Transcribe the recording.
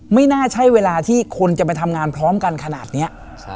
ไม่น่าใช่เวลาที่คนจะไปทำงานพร้อมกันขนาดนี้